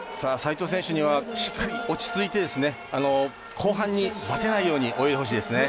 齋藤選手にはしっかり落ち着いて後半にばてないように泳いでほしいですね。